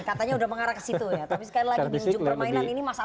tapi sekarang lagi menunjukkan permainan ini masalah langsung sedih nih kayaknya